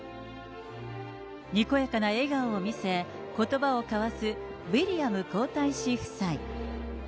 にこやかな笑顔を見せ、ことばを交わすウィリアム皇太子夫妻。